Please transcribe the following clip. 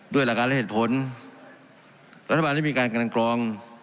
ด้วยหลักการและเหตุผลรัฐบาลได้มีการกันกรอง